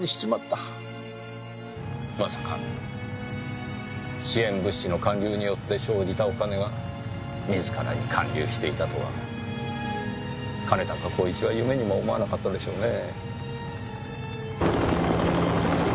まさか支援物資の還流によって生じたお金が自らに還流していたとは兼高公一は夢にも思わなかったでしょうね。